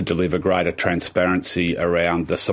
untuk memberikan transparansi lebih besar